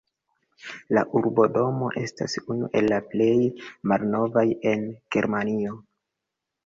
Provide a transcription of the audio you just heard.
La urbodomo estas unu el la plej malnovaj en Germanio.